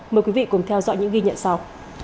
mời quý vị cùng theo dõi những ghi nhận sau